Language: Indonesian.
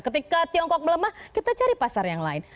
ketika tiongkok melemah kita cari pasar yang lain